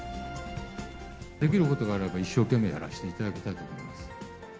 できることがあれば、一生懸命やらせていただきたいと思います。